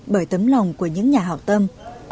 bởi tấm lòng của những nhà hào tâm